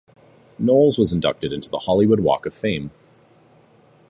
Knowles was inducted into the Hollywood Walk of Fame.